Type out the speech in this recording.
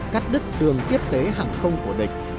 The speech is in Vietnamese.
cắt đứt đường tiếp tế hàng không của địch